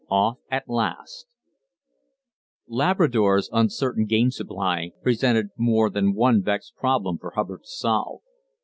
OFF AT LAST Labrador's uncertain game supply presented more than one vexed problem for Hubbard to solve.